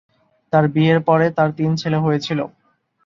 তার বিয়ের পরে তার তিন ছেলে হয়েছিল।